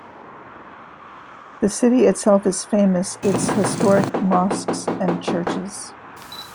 The city itself is famous its historic mosques and churches.